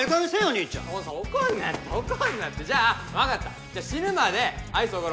兄ちゃん怒んな怒んなってじゃあ分かったじゃあ死ぬまでアイスおごる